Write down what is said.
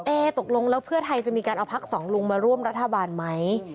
ตกลงแล้วเพื่อไทยจะมีการเอาพักสองลุงมาร่วมรัฐบาลไหม